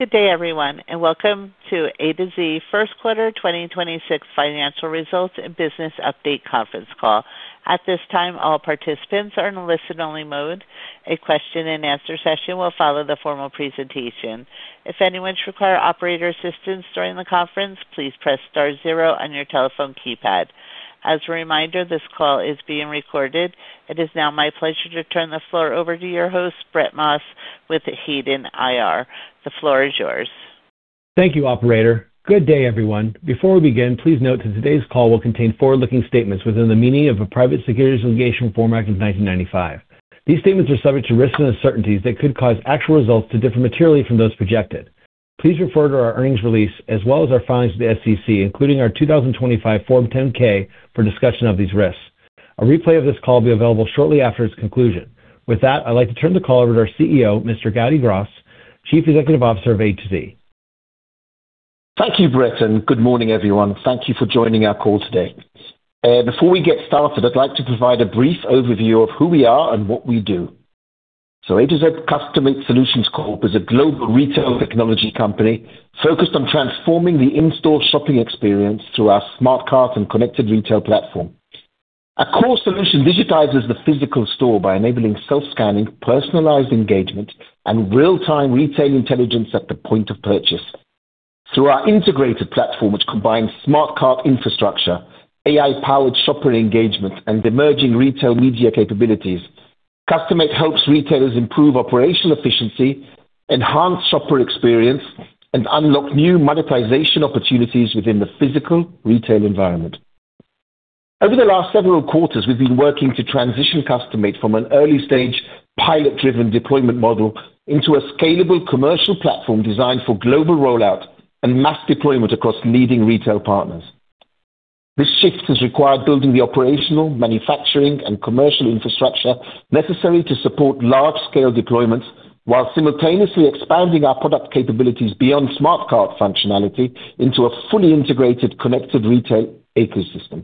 Good day everyone, and welcome to A2Z first quarter 2026 financial results and business update conference call. At this time, all participants are in listen-only mode. A question and answer session will follow the formal presentation. If anyone should require operator assistance during the conference, please press star zero on your telephone keypad. As a reminder, thiss call is being recorded. It is now my pleasure to turn the floor over to your host, Brett Maas, with Hayden IR. The floor is yours. Thank you, operator. Good day, everyone. Before we begin, please note that today's call will contain forward-looking statements within the meaning of a Private Securities Litigation Reform Act of 1995. These statements are subject to risks and uncertainties that could cause actual results to differ materially from those projected. Please refer to our earnings release, as well as our filings with the SEC, including our 2025 Form 10-K for discussion of these risks. A replay of this call will be available shortly after its conclusion. With that, I'd like to turn the call over to our CEO, Mr. Gadi Graus, Chief Executive Officer of A2Z. Thank you, Brett, and good morning, everyone. Thank you for joining our call today. Before we get started, I'd like to provide a brief overview of who we are and what we do. A2Z Cust2Mate Solutions Corp. is a global retail technology company focused on transforming the in-store shopping experience through our Smart Cart and connected retail platform. Our core solution digitizes the physical store by enabling self-scanning, personalized engagement, and real-time retail intelligence at the point of purchase. Through our integrated platform, which combines Smart Cart infrastructure, AI-powered shopper engagement, and emerging retail media capabilities, Cust2Mate helps retailers improve operational efficiency, enhance shopper experience, and unlock new monetization opportunities within the physical retail environment. Over the last several quarters, we've been working to transition Cust2Mate from an early-stage pilot-driven deployment model into a scalable commercial platform designed for global rollout and mass deployment across leading retail partners. This shift has required building the operational, manufacturing, and commercial infrastructure necessary to support large-scale deployments while simultaneously expanding our product capabilities beyond Smart Cart functionality into a fully integrated connected retail ecosystem.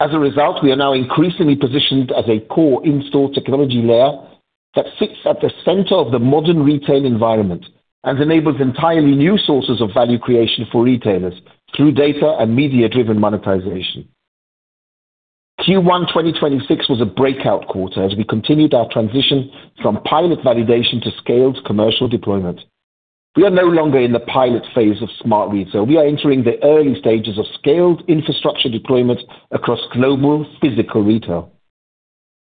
As a result, we are now increasingly positioned as a core in-store technology layer that sits at the center of the modern retail environment and enables entirely new sources of value creation for retailers through data and media-driven monetization. Q1 2026 was a breakout quarter as we continued our transition from pilot validation to scaled commercial deployment. We are no longer in the pilot phase of smart retail. We are entering the early stages of scaled infrastructure deployment across global physical retail.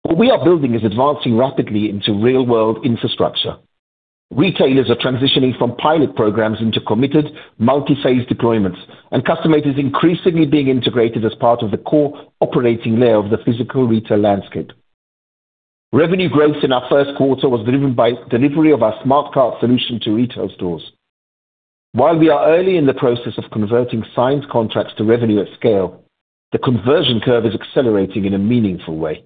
What we are building is advancing rapidly into real-world infrastructure. Retailers are transitioning from pilot programs into committed multi-phase deployments, and Cust2Mate is increasingly being integrated as part of the core operating layer of the physical retail landscape. Revenue growth in our first quarter was driven by delivery of our Smart Cart solution to retail stores. While we are early in the process of converting signed contracts to revenue at scale, the conversion curve is accelerating in a meaningful way.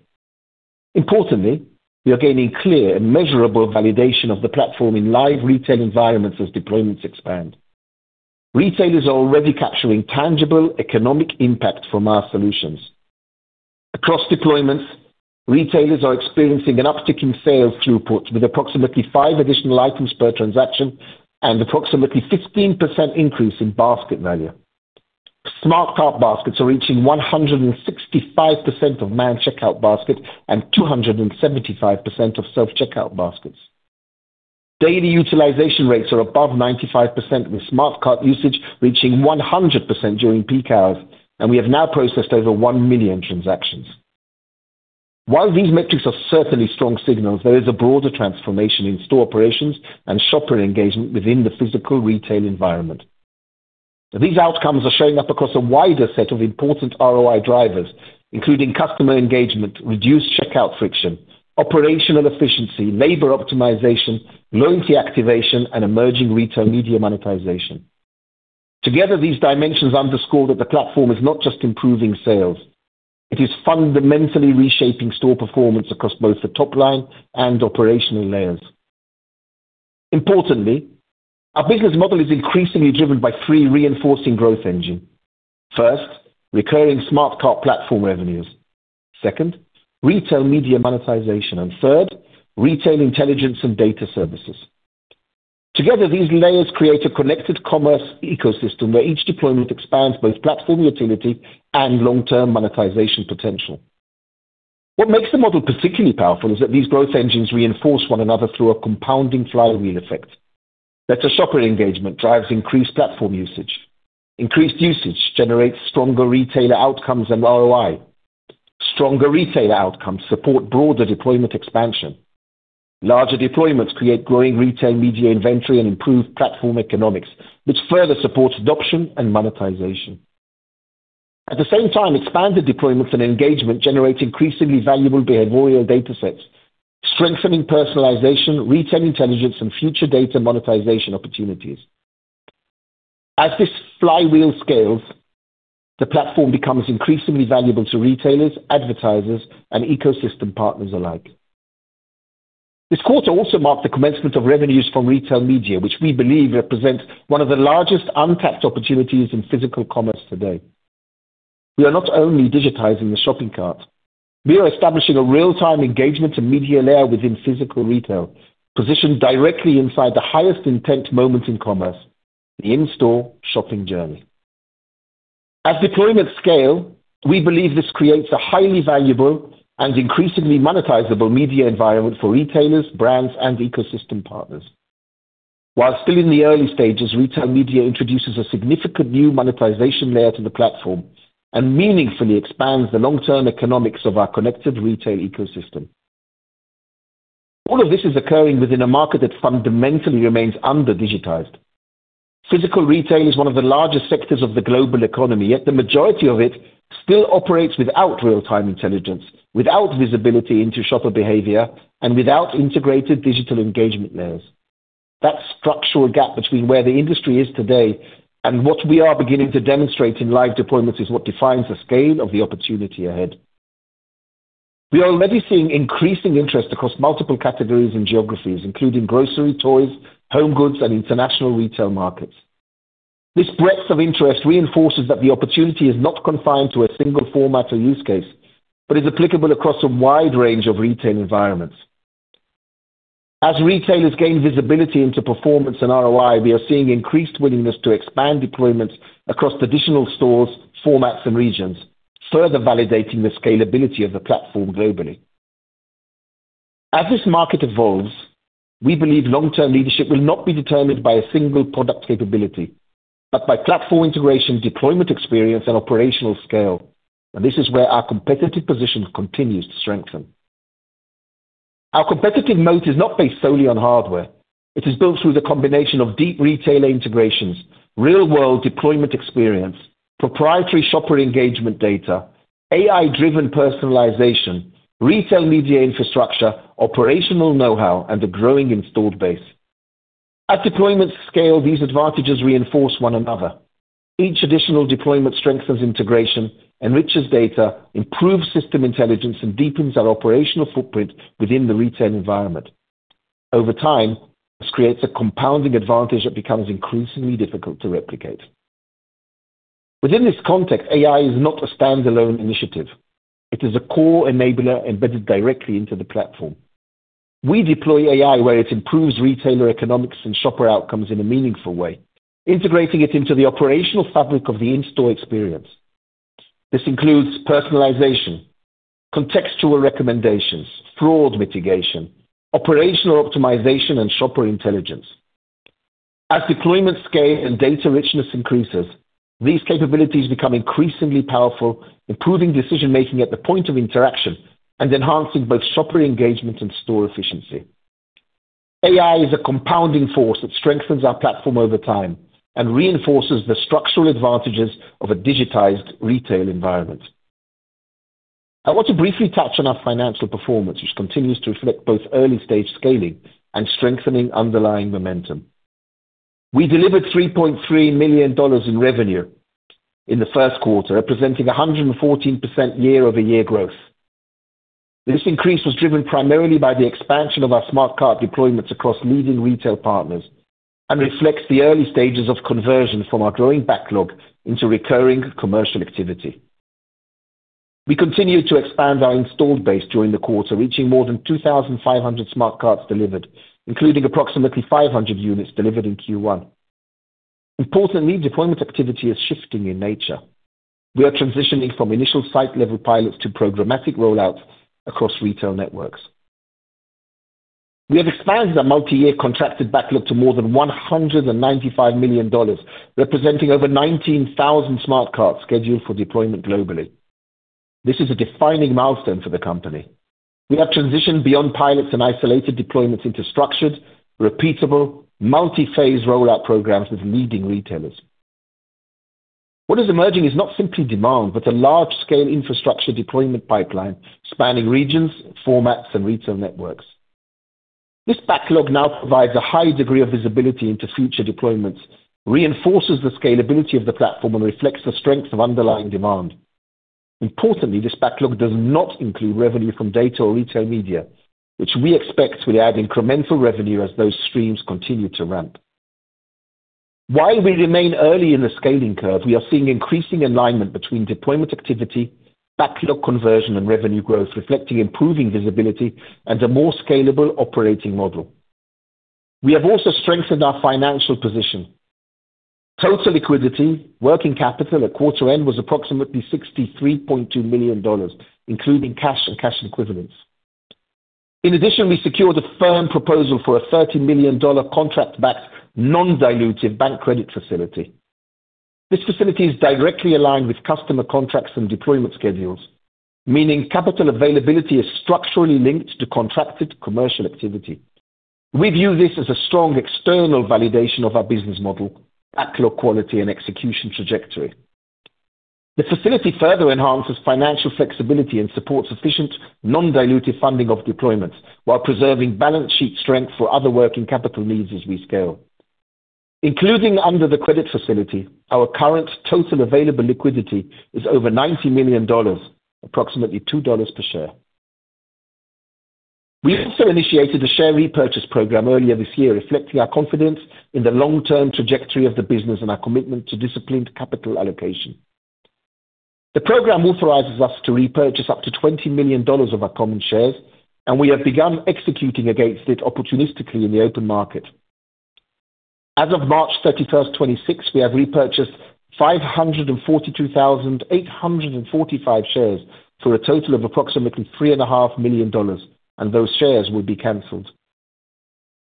Importantly, we are gaining clear and measurable validation of the platform in live retail environments as deployments expand. Retailers are already capturing tangible economic impact from our solutions. Across deployments, retailers are experiencing an uptick in sales throughput with approximately five additional items per transaction and approximately 15% increase in basket value. Smart Cart baskets are reaching 165% of manned checkout basket and 275% of self-checkout baskets. Daily utilization rates are above 95%, with Smart Cart usage reaching 100% during peak hours, and we have now processed over 1 million transactions. While these metrics are certainly strong signals, there is a broader transformation in store operations and shopper engagement within the physical retail environment. These outcomes are showing up across a wider set of important ROI drivers, including customer engagement, reduced checkout friction, operational efficiency, labor optimization, loyalty activation, and emerging retail media monetization. Together, these dimensions underscore that the platform is not just improving sales, it is fundamentally reshaping store performance across both the top line and operational layers. Importantly, our business model is increasingly driven by three reinforcing growth engine. First, recurring Smart Cart platform revenues. Second, retail media monetization. Third, retail intelligence and data services. Together, these layers create a connected commerce ecosystem where each deployment expands both platform utility and long-term monetization potential. What makes the model particularly powerful is that these growth engines reinforce one another through a compounding flywheel effect. Better shopper engagement drives increased platform usage. Increased usage generates stronger retailer outcomes and ROI. Stronger retailer outcomes support broader deployment expansion. Larger deployments create growing retail media inventory and improved platform economics, which further supports adoption and monetization. At the same time, expanded deployments and engagement generate increasingly valuable behavioral datasets, strengthening personalization, retail intelligence, and future data monetization opportunities. As this flywheel scales, the platform becomes increasingly valuable to retailers, advertisers, and ecosystem partners alike. This quarter also marked the commencement of revenues from retail media, which we believe represents one of the largest untapped opportunities in physical commerce today. We are not only digitizing the shopping cart, we are establishing a real-time engagement and media layer within physical retail, positioned directly inside the highest intent moment in commerce, the in-store shopping journey. At deployment scale, we believe this creates a highly valuable and increasingly monetizable media environment for retailers, brands, and ecosystem partners. While still in the early stages, retail media introduces a significant new monetization layer to the platform and meaningfully expands the long-term economics of our connected retail ecosystem. All of this is occurring within a market that fundamentally remains under-digitized. Physical retail is one of the largest sectors of the global economy, yet the majority of it still operates without real-time intelligence, without visibility into shopper behavior, and without integrated digital engagement layers. That structural gap between where the industry is today and what we are beginning to demonstrate in live deployments is what defines the scale of the opportunity ahead. We are already seeing increasing interest across multiple categories and geographies, including grocery, toys, home goods, and international retail markets. This breadth of interest reinforces that the opportunity is not confined to a single format or use case, but is applicable across a wide range of retail environments. As retailers gain visibility into performance and ROI, we are seeing increased willingness to expand deployments across traditional stores, formats, and regions, further validating the scalability of the platform globally. As this market evolves, we believe long-term leadership will not be determined by a single product capability, but by platform integration, deployment experience, and operational scale. This is where our competitive position continues to strengthen. Our competitive mode is not based solely on hardware. It is built through the combination of deep retailer integrations, real-world deployment experience, proprietary shopper engagement data, AI-driven personalization, retail media infrastructure, operational know-how, and a growing installed base. At deployment scale, these advantages reinforce one another. Each additional deployment strengthens integration, enriches data, improves system intelligence, and deepens our operational footprint within the retail environment. Over time, this creates a compounding advantage that becomes increasingly difficult to replicate. Within this context, AI is not a standalone initiative. It is a core enabler embedded directly into the platform. We deploy AI where it improves retailer economics and shopper outcomes in a meaningful way, integrating it into the operational fabric of the in-store experience. This includes personalization, contextual recommendations, fraud mitigation, operational optimization, and shopper intelligence. As deployment scale and data richness increases, these capabilities become increasingly powerful, improving decision-making at the point of interaction and enhancing both shopper engagement and store efficiency. AI is a compounding force that strengthens our platform over time and reinforces the structural advantages of a digitized retail environment. I want to briefly touch on our financial performance, which continues to reflect both early-stage scaling and strengthening underlying momentum. We delivered $3.3 million in revenue in the first quarter, representing 114% year-over-year growth. This increase was driven primarily by the expansion of our Smart Cart deployments across leading retail partners and reflects the early stages of conversion from our growing backlog into recurring commercial activity. We continued to expand our installed base during the quarter, reaching more than 2,500 Smart Carts delivered, including approximately 500 units delivered in Q1. Importantly, deployment activity is shifting in nature. We are transitioning from initial site-level pilots to programmatic rollouts across retail networks. We have expanded our multi-year contracted backlog to more than $195 million, representing over 19,000 Smart Carts scheduled for deployment globally. This is a defining milestone for the company. We have transitioned beyond pilots and isolated deployments into structured, repeatable, multi-phase rollout programs with leading retailers. What is emerging is not simply demand, but a large-scale infrastructure deployment pipeline spanning regions, formats, and retail networks. This backlog now provides a high degree of visibility into future deployments, reinforces the scalability of the platform, and reflects the strength of underlying demand. Importantly, this backlog does not include revenue from data or retail media, which we expect will add incremental revenue as those streams continue to ramp. While we remain early in the scaling curve, we are seeing increasing alignment between deployment activity, backlog conversion, and revenue growth, reflecting improving visibility and a more scalable operating model. We have also strengthened our financial position. Total liquidity, working capital at quarter end was approximately $63.2 million, including cash and cash equivalents. We secured a firm proposal for a $30 million contract-backed, non-dilutive bank credit facility. This facility is directly aligned with customer contracts and deployment schedules, meaning capital availability is structurally linked to contracted commercial activity. We view this as a strong external validation of our business model, backlog quality, and execution trajectory. The facility further enhances financial flexibility and supports efficient, non-dilutive funding of deployments while preserving balance sheet strength for other working capital needs as we scale. Including under the credit facility, our current total available liquidity is over $90 million, approximately $2 per share. We also initiated a share repurchase program earlier this year, reflecting our confidence in the long-term trajectory of the business and our commitment to disciplined capital allocation. The program authorizes us to repurchase up to $20 million of our common shares, and we have begun executing against it opportunistically in the open market. As of March 31st, 2026, we have repurchased 542,845 shares for a total of approximately three and a half million dollars, and those shares will be canceled.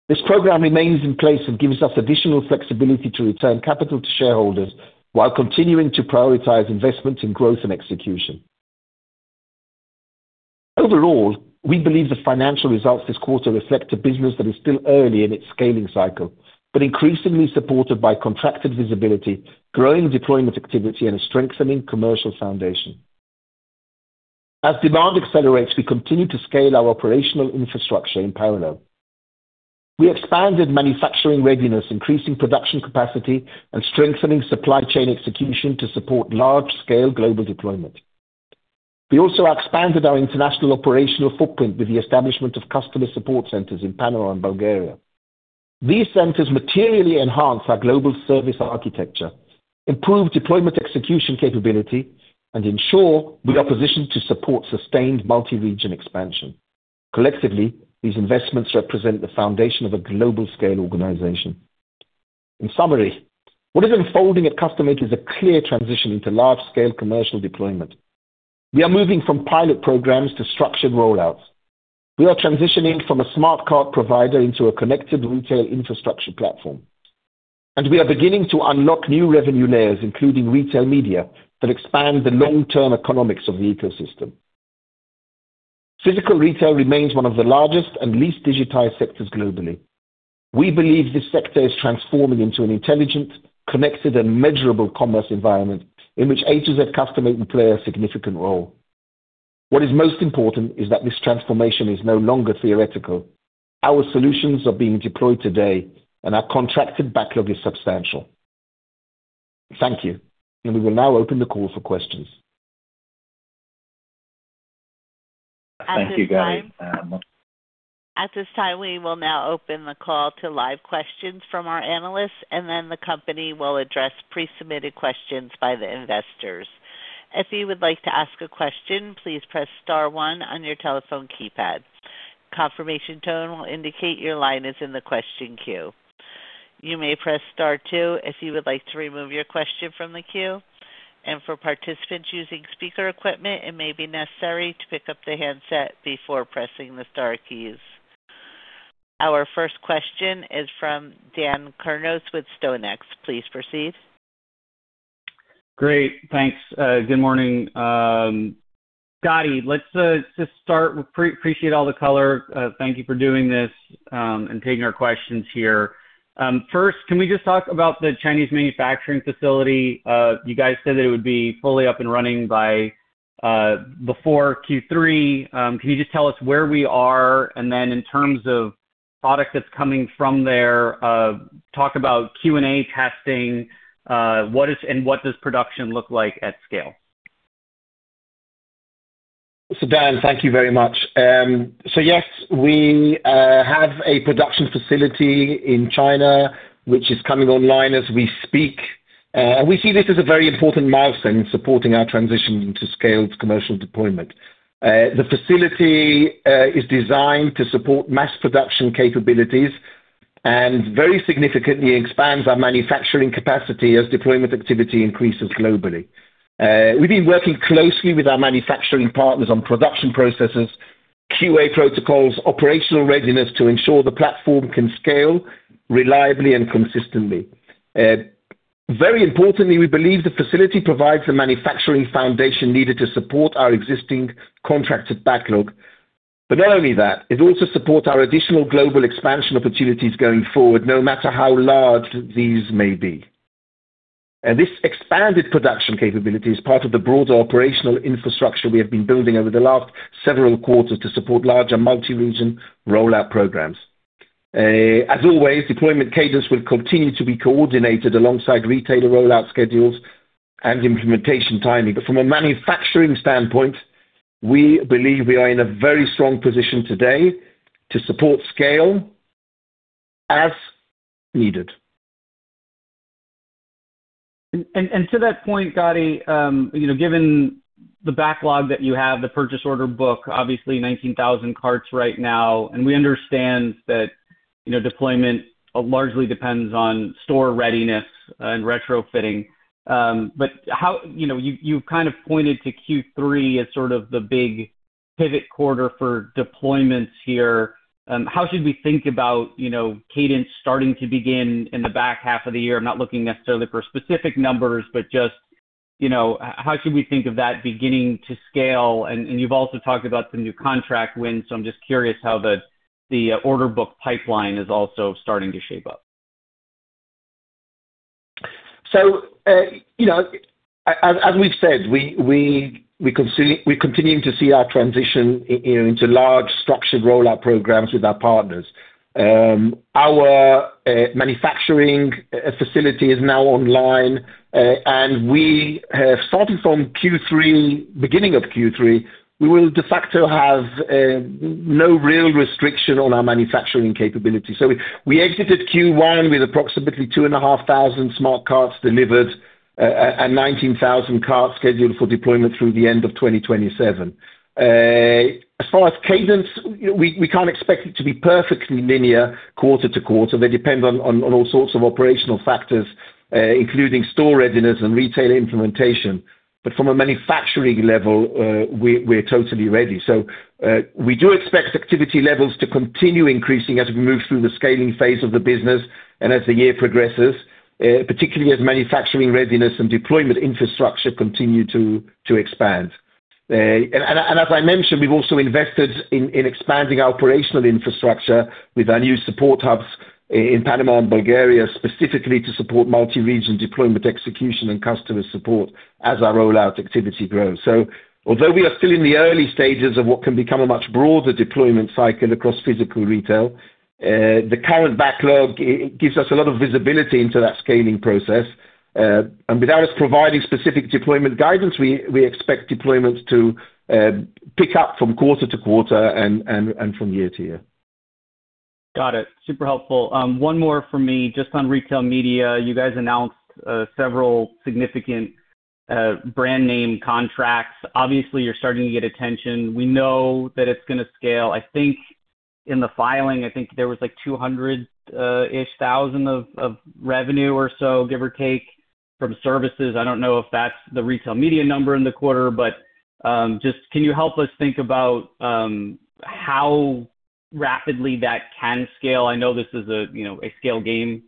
This program remains in place and gives us additional flexibility to return capital to shareholders while continuing to prioritize investment in growth and execution. Overall, we believe the financial results this quarter reflect a business that is still early in its scaling cycle, but increasingly supported by contracted visibility, growing deployment activity, and a strengthening commercial foundation. As demand accelerates, we continue to scale our operational infrastructure in parallel. We expanded manufacturing readiness, increasing production capacity and strengthening supply chain execution to support large-scale global deployment. We also expanded our international operational footprint with the establishment of customer support centers in Panama and Bulgaria. These centers materially enhance our global service architecture, improve deployment execution capability, and ensure we are positioned to support sustained multi-region expansion. Collectively, these investments represent the foundation of a global scale organization. In summary, what is unfolding at Cust2Mate is a clear transition into large-scale commercial deployment. We are moving from pilot programs to structured rollouts. We are transitioning from a smart cart provider into a connected retail infrastructure platform. We are beginning to unlock new revenue layers, including retail media, that expand the long-term economics of the ecosystem. Physical retail remains one of the largest and least digitized sectors globally. We believe this sector is transforming into an intelligent, connected, and measurable commerce environment in which A2Z Cust2Mate can play a significant role. What is most important is that this transformation is no longer theoretical. Our solutions are being deployed today, and our contracted backlog is substantial. Thank you, we will now open the call for questions. Thank you, Gadi. At this time, we will now open the call to live questions from our analysts, and then the company will address pre-submitted questions by the investors. If you would like to ask a question, please press star one on your telephone keypad. Confirmation tone will indicate your line is in the question queue. You may press star two if you would like to remove your question from the queue. For participants using speaker equipment, it may be necessary to pick up the handset before pressing the star keys. Our first question is from Dan Kurnos with StoneX. Please proceed. Great, thanks. Good morning. Gadi, let's just start with pre-appreciate all the color. Thank you for doing this, and taking our questions here. First, can we just talk about the Chinese manufacturing facility? You guys said that it would be fully up and running by before Q3. Can you just tell us where we are? In terms of product that's coming from there, talk about QA testing, what is and what does production look like at scale? Dan, thank you very much. Yes, we have a production facility in China, which is coming online as we speak. We see this as a very important milestone in supporting our transition to scaled commercial deployment. The facility is designed to support mass production capabilities and very significantly expands our manufacturing capacity as deployment activity increases globally. We've been working closely with our manufacturing partners on production processes, QA protocols, operational readiness to ensure the platform can scale reliably and consistently. Very importantly, we believe the facility provides the manufacturing foundation needed to support our existing contracted backlog. Not only that, it also supports our additional global expansion opportunities going forward, no matter how large these may be. This expanded production capability is part of the broader operational infrastructure we have been building over the last several quarters to support larger multi-region rollout programs. As always, deployment cadence will continue to be coordinated alongside retailer rollout schedules and implementation timing. From a manufacturing standpoint, we believe we are in a very strong position today to support scale as needed. To that point, Gadi, you know, given the backlog that you have, the purchase order book, obviously 19,000 carts right now, and we understand that, you know, deployment largely depends on store readiness and retrofitting. You know, you've kind of pointed to Q3 as sort of the big pivot quarter for deployments here. How should we think about, you know, cadence starting to begin in the back half of the year? I'm not looking necessarily for specific numbers, but just, you know, how should we think of that beginning to scale? You've also talked about some new contract wins, so I'm just curious how the order book pipeline is also starting to shape up. You know, as we've said, we're continuing to see our transition into large structured rollout programs with our partners. Our manufacturing facility is now online, we have started from beginning of Q3, we will de facto have no real restriction on our manufacturing capability. We exited Q1 with approximately 2,500 Smart Carts delivered, and 19,000 carts scheduled for deployment through the end of 2027. As far as cadence, we can't expect it to be perfectly linear quarter-to-quarter. They depend on all sorts of operational factors, including store readiness and retail implementation. From a manufacturing level, we're totally ready. We do expect activity levels to continue increasing as we move through the scaling phase of the business and as the year progresses, particularly as manufacturing readiness and deployment infrastructure continue to expand. As I mentioned, we've also invested in expanding our operational infrastructure with our new support hubs in Panama and Bulgaria, specifically to support multi-region deployment execution and customer support as our rollout activity grows. Although we are still in the early stages of what can become a much broader deployment cycle across physical retail, the current backlog it gives us a lot of visibility into that scaling process. Without us providing specific deployment guidance, we expect deployments to pick up from quarter to quarter and from year to year. Got it. Super helpful. One more for me, just on retail media. You guys announced several significant brand name contracts. Obviously, you're starting to get attention. We know that it's gonna scale. I think in the filing, I think there was like 200 ish thousand of revenue or so, give or take, from services. I don't know if that's the retail media number in the quarter, but just can you help us think about how rapidly that can scale? I know this is a, you know, a scale game,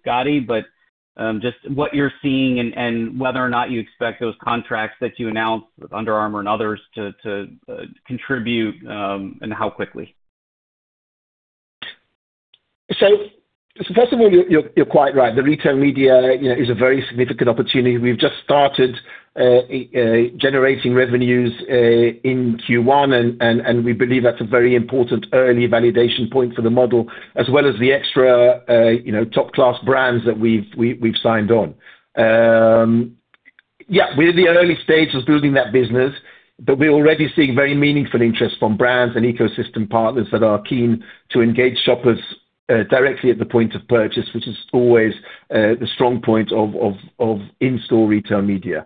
but just what you're seeing and whether or not you expect those contracts that you announced with Under Armour and others to contribute and how quickly? First of all, you're quite right. The retail media is a very significant opportunity. We've just started generating revenues in Q1, and we believe that's a very important early validation point for the model, as well as the extra top-class brands that we've signed on. Yeah, we're in the early stages of building that business, we're already seeing very meaningful interest from brands and ecosystem partners that are keen to engage shoppers directly at the point of purchase, which is always the strong point of in-store retail media.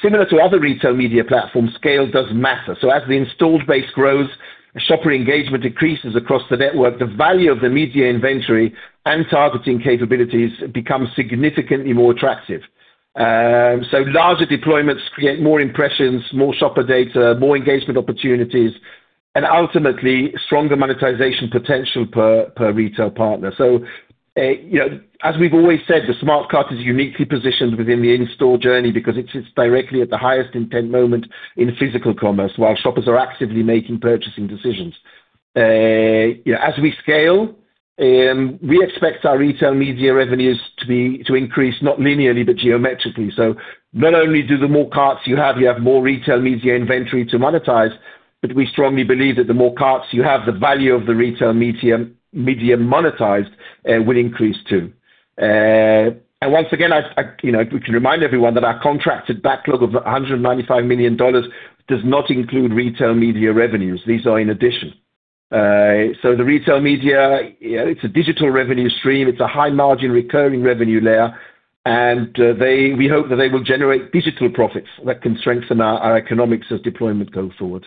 Similar to other retail media platforms, scale does matter. As the installed base grows, shopper engagement decreases across the network, the value of the media inventory and targeting capabilities become significantly more attractive. Larger deployments create more impressions, more shopper data, more engagement opportunities, and ultimately stronger monetization potential per retail partner. You know, as we've always said, the Smart Cart is uniquely positioned within the in-store journey because it sits directly at the highest intent moment in physical commerce while shoppers are actively making purchasing decisions. You know, as we scale, we expect our retail media revenues to increase not linearly, but geometrically. Not only do the more carts you have, you have more retail media inventory to monetize, but we strongly believe that the more carts you have, the value of the retail media monetized will increase too. Once again, you know, we can remind everyone that our contracted backlog of $195 million does not include retail media revenues. These are in addition. The retail media, you know, it's a digital revenue stream, it's a high margin recurring revenue layer, and we hope that they will generate digital profits that can strengthen our economics as deployment go forward.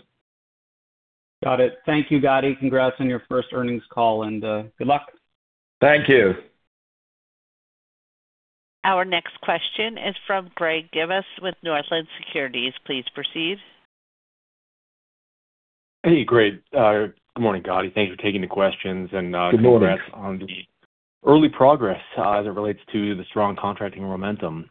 Got it. Thank you, Gadi. Congrats on your first earnings call and good luck. Thank you. Our next question is from Greg Gibas with Northland Securities. Please proceed. Hey, great. Good morning, Gadi. Thank you for taking the questions. Good morning. Congrats on the early progress as it relates to the strong contracting momentum.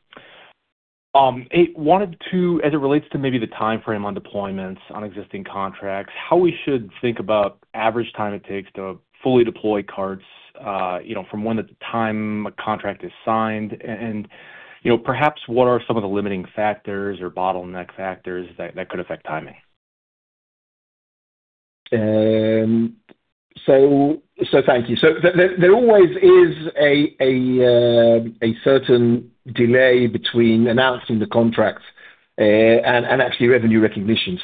As it relates to maybe the timeframe on deployments on existing contracts, how we should think about average time it takes to fully deploy carts, you know, from when at the time a contract is signed and, you know, perhaps what are some of the limiting factors or bottleneck factors that could affect timing? Thank you. There always is a certain delay between announcing the contract and actually revenue recognition.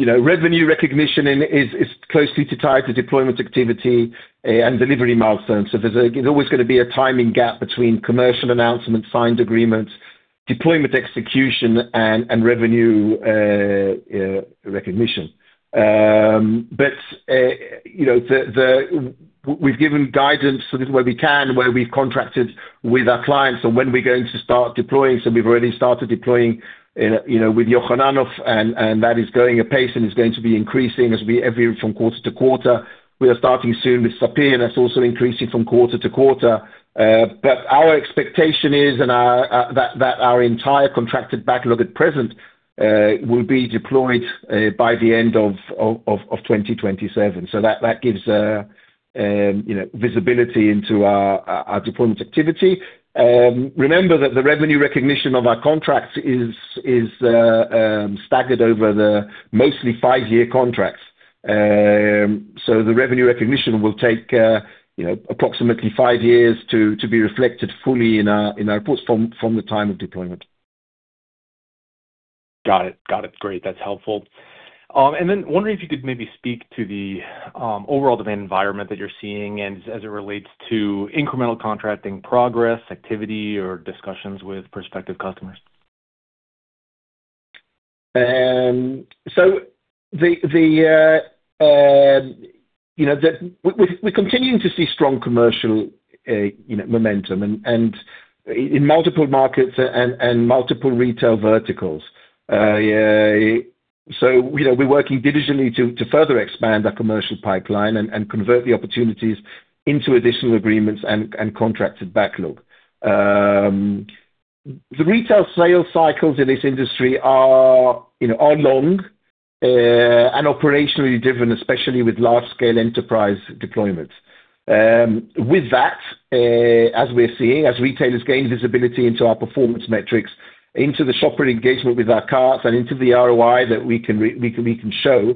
You know, revenue recognition is closely tied to deployment activity and delivery milestones. There's always gonna be a timing gap between commercial announcement, signed agreement, deployment execution, and revenue recognition. You know, we've given guidance where we can, where we've contracted with our clients on when we're going to start deploying. We've already started deploying, you know, with Yochananof, and that is going apace, and it's going to be increasing from quarter to quarter. We are starting soon with Super Sapir that's also increasing from quarter-to-quarter. Our expectation is that our entire contracted backlog at present will be deployed by the end of 2027. That gives, you know, visibility into our deployment activity. Remember that the revenue recognition of our contracts is staggered over the mostly five-year contracts. The revenue recognition will take, you know, approximately five years to be reflected fully in our reports from the time of deployment. Got it. Great. That's helpful. Wondering if you could maybe speak to the overall demand environment that you're seeing and as it relates to incremental contracting progress, activity, or discussions with prospective customers. You know, we're continuing to see strong commercial, you know, momentum and in multiple markets and multiple retail verticals. You know, we're working diligently to further expand our commercial pipeline and convert the opportunities into additional agreements and contracted backlog. The retail sales cycles in this industry are, you know, long and operationally different, especially with large scale enterprise deployments. With that, as we're seeing, as retailers gain visibility into our performance metrics, into the shopper engagement with our carts and into the ROI that we can show,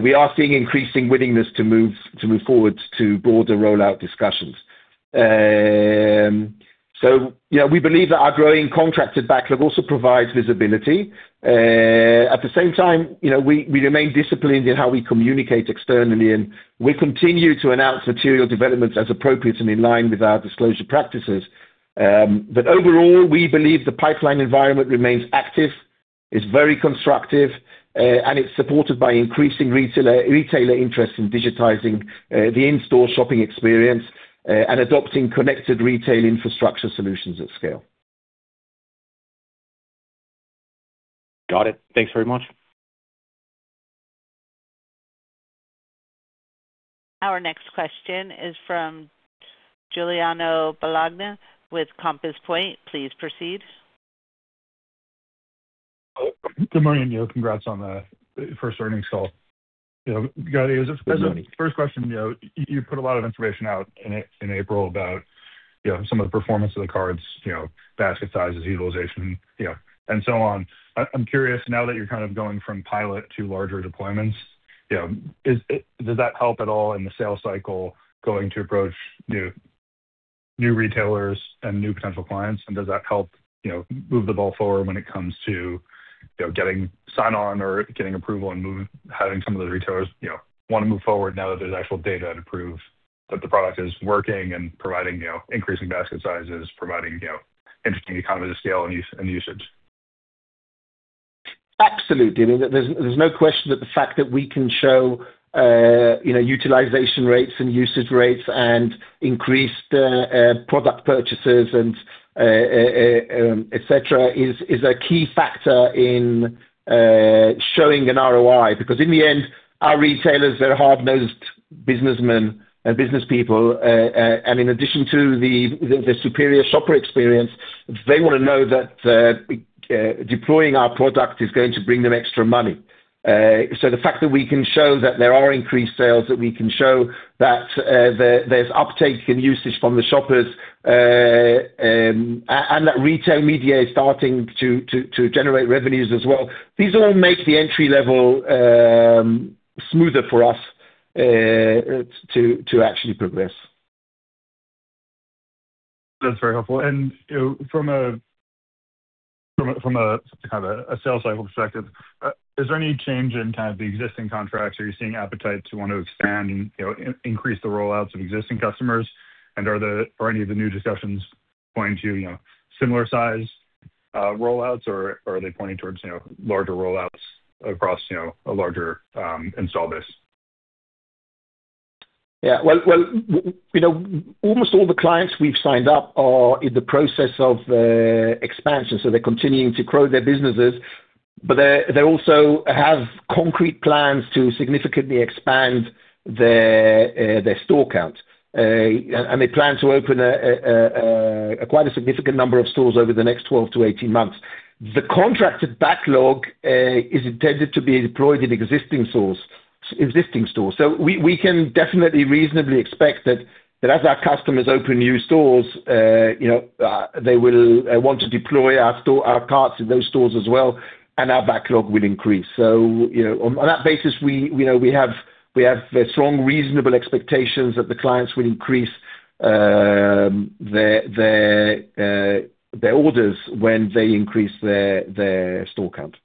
we are seeing increasing willingness to move forward to broader rollout discussions. You know, we believe that our growing contracted backlog also provides visibility. At the same time, you know, we remain disciplined in how we communicate externally, and we continue to announce material developments as appropriate and in line with our disclosure practices. Overall, we believe the pipeline environment remains active, it's very constructive, and it's supported by increasing retailer interest in digitizing the in-store shopping experience and adopting connected retail infrastructure solutions at scale. Got it. Thanks very much. Our next question is from Giuliano Bologna with Compass Point. Please proceed. Good morning, Neil. Congrats on the first earnings call. You know, Gadi Graus, as a first question, you know, you put a lot of information out in April about, you know, some of the performance of the carts, you know, basket sizes, utilization, you know, and so on. I'm curious now that you're kind of going from pilot to larger deployments, you know, does that help at all in the sales cycle going to approach new retailers and new potential clients? Does that help, you know, move the ball forward when it comes to, you know, getting sign-on or getting approval and having some of the retailers, you know, wanna move forward now that there's actual data to prove that the product is working and providing, you know, increasing basket sizes, providing, you know, interesting economies of scale and usage? Absolutely. I mean, there's no question that the fact that we can show, you know, utilization rates and usage rates and increased product purchases and et cetera, is a key factor in showing an ROI. In the end, our retailers are hard-nosed businessmen, business people, and in addition to the superior shopper experience, they wanna know that deploying our product is going to bring them extra money. The fact that we can show that there are increased sales, that we can show that there's uptake in usage from the shoppers, and that retail media is starting to generate revenues as well, these all make the entry level smoother for us to actually progress. That's very helpful. You know, from a kind of a sales cycle perspective, is there any change in kind of the existing contracts? Are you seeing appetite to want to expand and, you know, increase the rollouts of existing customers? Are any of the new discussions pointing to, you know, similar size, rollouts, or are they pointing towards, you know, larger rollouts across, you know, a larger, install base? Well, you know, almost all the clients we've signed up are in the process of expansion, they're continuing to grow their businesses, but they also have concrete plans to significantly expand their store count. They plan to open a quite a significant number of stores over the next 12 to 18 months. The contracted backlog is intended to be deployed in existing stores. We can definitely reasonably expect that as our customers open new stores, you know, they will want to deploy our carts in those stores as well, and our backlog will increase. You know, on that basis, we, you know, we have the strong reasonable expectations that the clients will increase their orders when they increase their store count.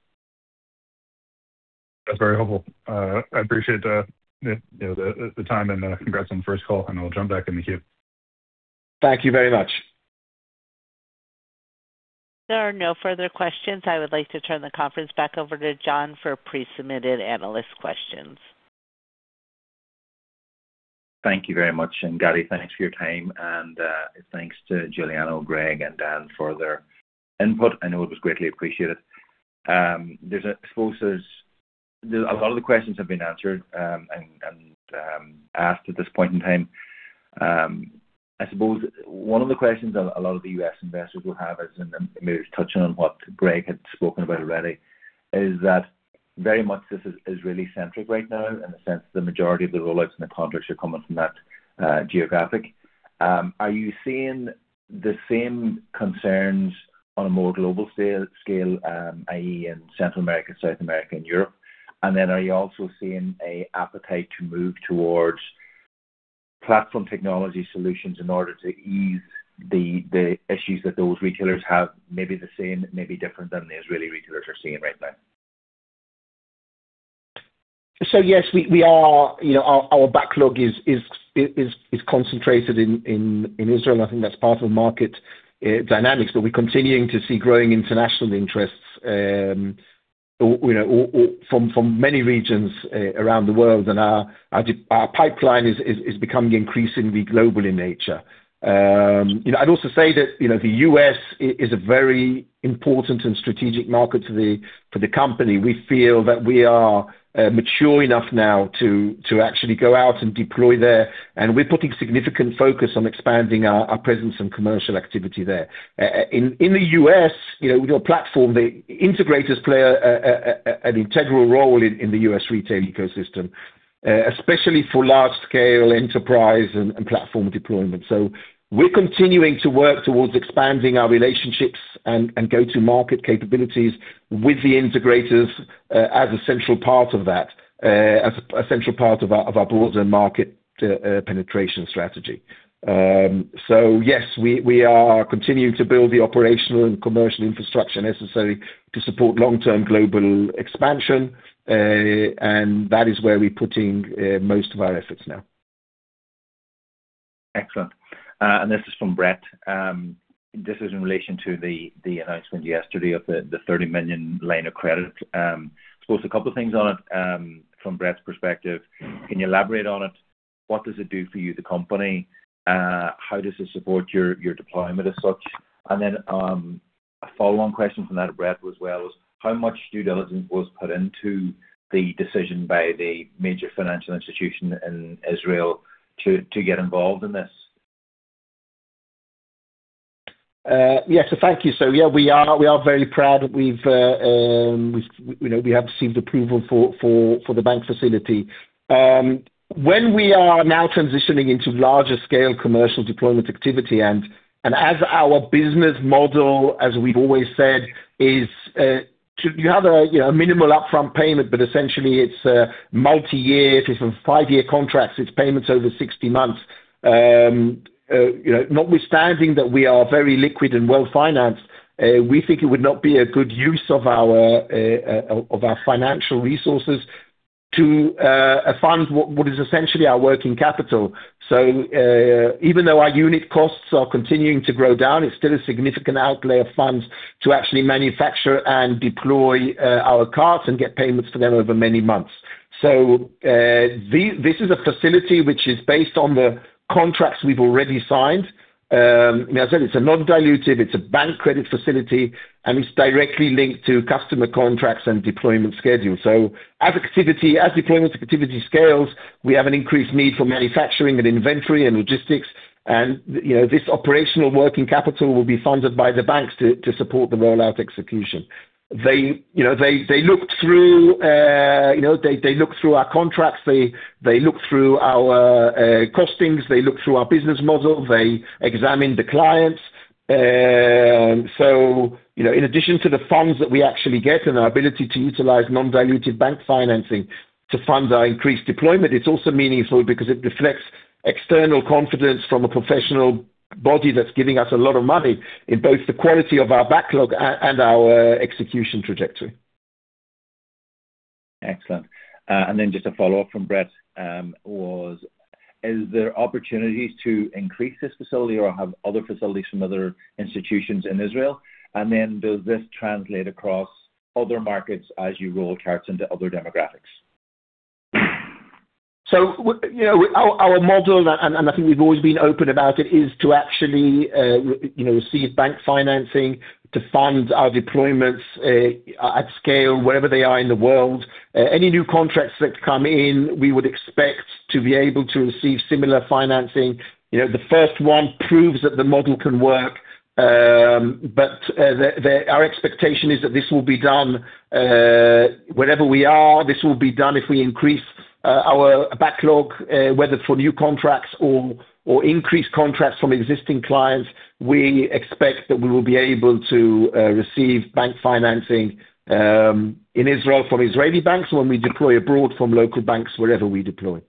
That's very helpful. I appreciate the, you know, the time and congrats on the first call. I'll jump back in the queue. Thank you very much. There are no further questions. I would like to turn the conference back over to John for pre-submitted analyst questions. Thank you very much. Gadi, thanks for your time and thanks to Giuliano Bologna, Greg Gibas, and Dan Kurnos for their input. I know it was greatly appreciated. A lot of the questions have been answered and asked at this point in time. I suppose one of the questions a lot of the U.S. investors will have is, and maybe touching on what Greg had spoken about already, is that very much this is really centric right now in the sense the majority of the rollouts and the contracts are coming from that geographic. Are you seeing the same concerns on a more global scale, i.e. in Central America, South America, and Europe? Are you also seeing an appetite to move towards platform technology solutions in order to ease the issues that those retailers have, maybe the same, maybe different than the Israeli retailers are seeing right now? Yes, we are, you know, our backlog is concentrated in Israel, and I think that's part of market dynamics. We're continuing to see growing international interests from many regions around the world, and our pipeline is becoming increasingly global in nature. You know, I'd also say that, you know, the U.S. is a very important and strategic market for the company. We feel that we are mature enough now to actually go out and deploy there, and we're putting significant focus on expanding our presence and commercial activity there. In the U.S., you know, with our platform, the integrators play an integral role in the U.S. retail ecosystem, especially for large scale enterprise and platform deployment. We're continuing to work towards expanding our relationships and go-to-market capabilities with the integrators, as a central part of that, as a central part of our broader market penetration strategy. Yes, we are continuing to build the operational and commercial infrastructure necessary to support long-term global expansion, and that is where we're putting most of our efforts now. Excellent. This is from Brett. This is in relation to the announcement yesterday of the $30 million line of credit. I suppose a couple things on it from Brett's perspective. Can you elaborate on it? What does it do for you, the company? How does it support your deployment as such? Then a follow-on question from that of Brett was, well, how much due diligence was put into the decision by the major financial institution in Israel to get involved in this? Yes. Thank you. Yeah, we are very proud that we've, you know, we have received approval for the bank facility. When we are now transitioning into larger scale commercial deployment activity and as our business model, as we've always said, is to have a, you know, a minimal upfront payment, but essentially it's multi-year. If it's a five-year contract, it's payments over 60 months. You know, notwithstanding that we are very liquid and well-financed, we think it would not be a good use of our financial resources to fund what is essentially our working capital. Even though our unit costs are continuing to grow down, it's still a significant outlay of funds to actually manufacture and deploy our carts and get payments for them over many months. This is a facility which is based on the contracts we've already signed. As I said, it's a non-dilutive, it's a bank credit facility, and it's directly linked to customer contracts and deployment schedule. As activity, as deployment activity scales, we have an increased need for manufacturing and inventory and logistics and, you know, this operational working capital will be funded by the banks to support the rollout execution. They, you know, they looked through, you know, they looked through our contracts. They looked through our costings. They looked through our business model. They examined the clients. You know, in addition to the funds that we actually get and our ability to utilize non-dilutive bank financing to fund our increased deployment, it's also meaningful because it reflects external confidence from a professional body that's giving us a lot of money in both the quality of our backlog and our execution trajectory. Excellent. Just a follow-up from Brett, is there opportunities to increase this facility or have other facilities from other institutions in Israel? Does this translate across other markets as you roll carts into other demographics? You know, our model, and, and I think we've always been open about it, is to actually, you know, receive bank financing to fund our deployments at scale wherever they are in the world. Any new contracts that come in, we would expect to be able to receive similar financing. You know, the first one proves that the model can work, but, our expectation is that this will be done wherever we are. This will be done if we increase our backlog, whether for new contracts or increased contracts from existing clients. We expect that we will be able to receive bank financing in Israel from Israeli banks when we deploy abroad from local banks wherever we deploy.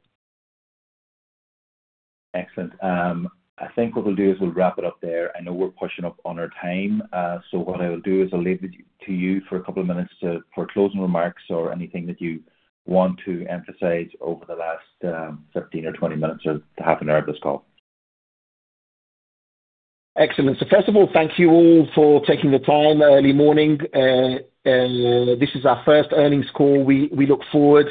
Excellent. I think what we'll do is we'll wrap it up there. I know we're pushing up on our time. What I will do is I'll leave it to you for a couple of minutes for closing remarks or anything that you want to emphasize over the last 15 or 20 minutes or half an hour of this call. Excellent. First of all, thank you all for taking the team early morning. This is our first earnings call. We look forward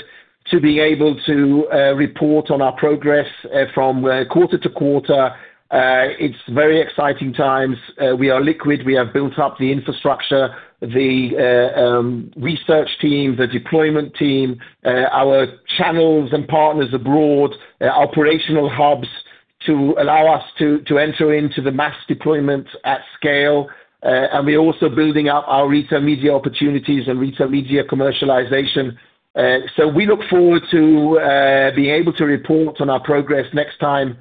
to being able to report on our progress from quarter-to-quarter. It's very exciting times. We are liquid. We have built up the infrastructure, the research team, the deployment team, our channels and partners abroad, operational hubs to allow us to enter into the mass deployment at scale. We're also building out our retail media opportunities and retail media commercialization. We look forward to being able to report on our progress next time.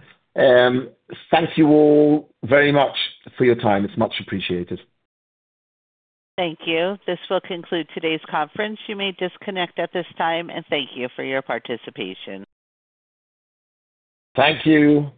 Thank you all very much for your time. It's much appreciated. Thank you. This will conclude today's conference. You may disconnect at this time, and thank you for your participation. Thank you.